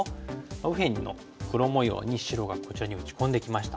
右辺の黒模様に白がこちらに打ち込んできました。